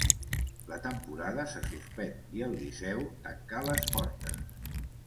La temporada se suspèn i el Liceu tancà les portes.